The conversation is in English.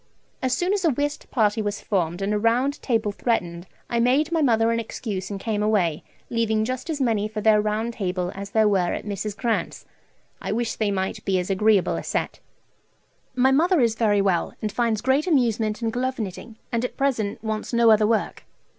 As soon as a whist party was formed, and a round table threatened, I made my mother an excuse and came away, leaving just as many for their round table as there were at Mrs. Grant's. I wish they might be as agreeable a set. My mother is very well, and finds great amusement in glove knitting, and at present wants no other work.